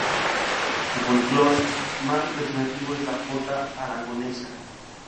Su folclore más representativo es la Jota Aragonesa.